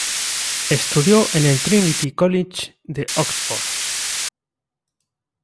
Estudió en el Trinity College de Oxford.